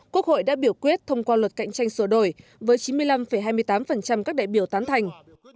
quốc hội đã biểu quyết thông qua luật cạnh tranh sửa đổi với chín mươi năm hai mươi tám các đại biểu tán thành